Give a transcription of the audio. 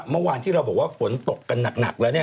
เมื่อวานที่เราบอกว่าฝนตกกันหนักแล้วเนี่ย